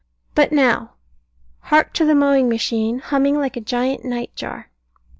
But now hark to the mowing machine, humming like a giant night jar.